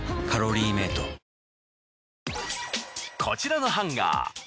こちらのハンガー